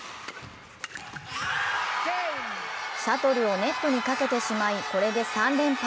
シャトルをネットにかけてしまい、これで３連敗。